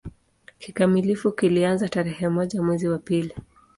Kikamilifu kilianza tarehe moja mwezi wa pili